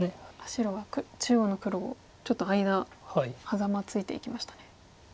白は中央の黒をちょっと間ハザマついていきましたね。